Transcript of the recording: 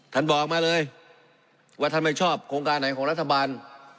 ท่านบอกมาเลยว่าท่านไม่ชอบโครงการไหนของรัฐบาล